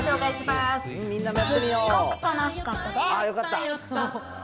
すっごく楽しかったです。